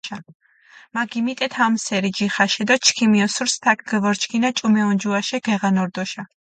მა გიმიტეთ ამჷსერი ჯიხაშე დო ჩქიმი ოსურს თაქ გჷვორჩქინა ჭუმე ონჯუაშე გეღან ორდოშა.